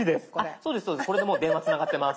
そうですこれでもう電話つながってます。